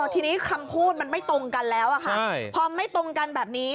ทีนี้คำพูดมันไม่ตรงกันแล้วค่ะพอไม่ตรงกันแบบนี้